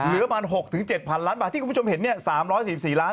เหลือประมาณ๖๗๐๐ล้านบาทที่คุณผู้ชมเห็น๓๔๔ล้าน